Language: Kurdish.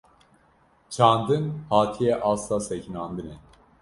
Çandin, hatiye asta sekinandinê